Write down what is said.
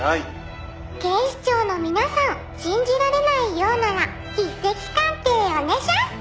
「警視庁の皆さん信じられないようなら筆跡鑑定オネシャス！」